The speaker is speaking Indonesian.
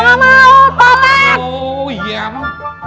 terkenal gak serta serta gue gak mau